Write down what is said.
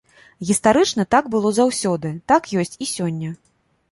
Гістарычна, так было заўсёды, так ёсць і сёння.